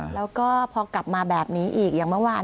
แล้วก็พอกลับมาแบบนี้อีกอย่างเมื่อวาน